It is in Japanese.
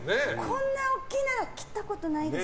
こんな大きいの切ったことないです。